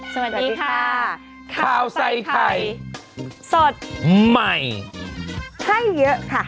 สวัสดีค่ะข้าวใส่ไข่สดใหม่ให้เยอะค่ะ